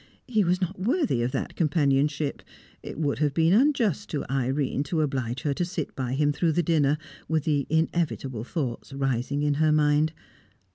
He was not worthy of that companionship; it would have been unjust to Irene to oblige her to sit by him through the dinner, with the inevitable thoughts rising in her mind.